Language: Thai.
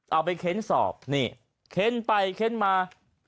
เอาไปเค้นสอบนี่เค้นไปเค้นมา